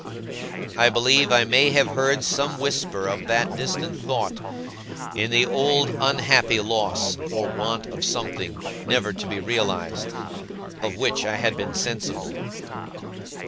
I believe I may have heard some whisper of that distant thought, in the old unhappy loss or want of something never to be realized, of which I had been sensible.